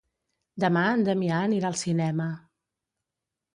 Demà en Damià anirà al cinema.